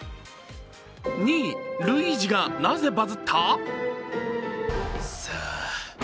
２位、ルイージがなぜバズった？